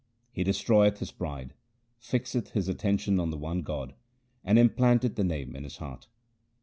He destroyeth his pride, fixeth his attention on the one God, and implanteth the Name in his heart.